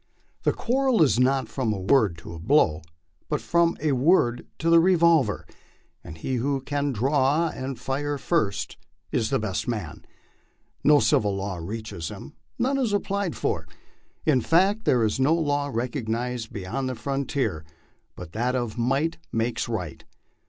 The quarrel is not from a word to a blow, but from a word to the revolver, and he who can draw and fire first is the best man. No civil law reaches him ; none is applied for. In fact there is no law recognized beyond the fron tier but that of "might makes right."